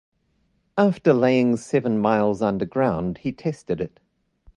After laying seven miles underground, he tested it.